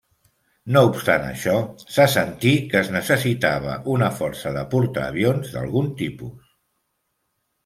No obstant això, se sentí que es necessitava una força de portaavions d'algun tipus.